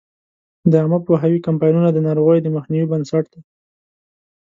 د عامه پوهاوي کمپاینونه د ناروغیو د مخنیوي بنسټ دی.